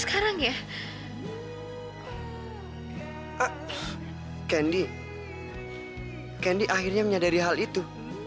candy akhirnya menyadari hal itu